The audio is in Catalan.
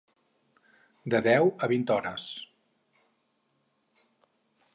De deu a vint hores.